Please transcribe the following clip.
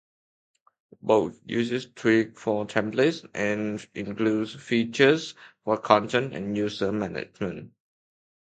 Bolt uses Twig for templates and includes features for content and user management.